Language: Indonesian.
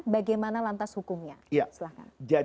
bagaimana lantas hukumnya